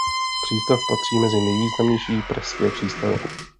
Přístav patří mezi nejvýznamnější pražské přístavy.